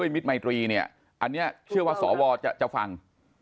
ไมตรีเนี่ยอันเนี่ยเชื่อว่าสอวอร์จะฟัง